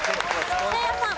せいやさん。